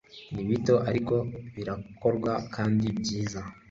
nibito, ariko birakorwa kandi byiza